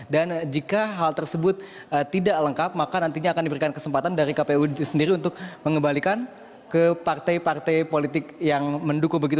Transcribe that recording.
dan jika hal tersebut tidak lengkap maka nantinya akan diberikan kesempatan dari kpud sendiri untuk mengembalikan ke partai partai politik yang mendukung begitu